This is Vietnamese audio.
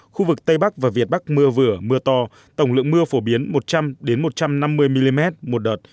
khu vực tây bắc và việt bắc mưa vừa mưa to tổng lượng mưa phổ biến một trăm linh một trăm năm mươi mm một đợt